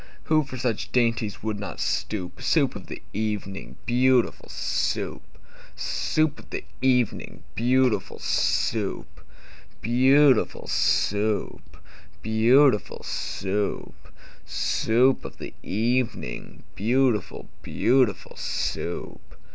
Who for such dainties would not stoop? Soup of the evening, beautiful Soup! Soup of the evening, beautiful Soup! Beau ootiful Soo oop! Beau ootiful Soo oop! Soo oop of the e e evening, Beautiful, beautiful Soup!